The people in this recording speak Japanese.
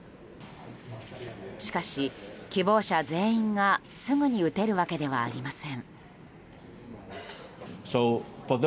しかし、希望者全員がすぐに打てるわけではありません。